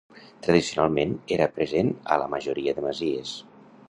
Tradicionalment era present a la majoria de masies.